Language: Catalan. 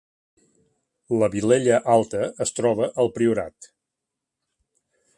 La Vilella Alta es troba al Priorat